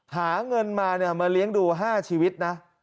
หาเงินมามาเลี้ยงดู๕ชีวิตนะ